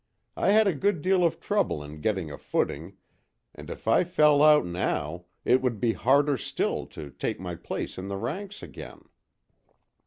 I had a good deal of trouble in getting a footing, and if I fell out now, it would be harder still to take my place in the ranks again."